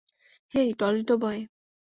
হেই, Toledo বয়।